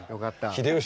秀吉